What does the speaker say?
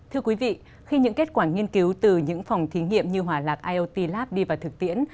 thưa quý vị khi những kết quả nghiên cứu từ những phòng thí nghiệm như hòa lạc iot lap đi vào thực tiễn